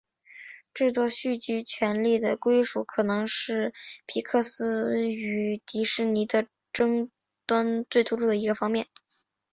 制作续集权利的归属可能是皮克斯与迪士尼的争端最突出的一个方面。